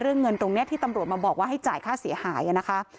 เงินตรงนี้ที่ตำรวจมาบอกว่าให้จ่ายค่าเสียหายนะคะ